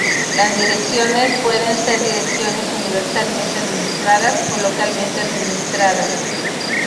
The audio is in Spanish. Las direcciones pueden ser "direcciones universalmente administradas" o "localmente administradas".